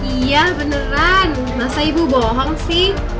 iya beneran masa ibu bohong sih